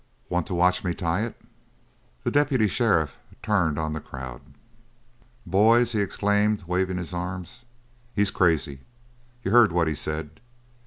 "Want to watch me tie it?" The deputy sheriff turned on the crowd. "Boys," he exclaimed, waving his arms, "he's crazy. You heard what he said.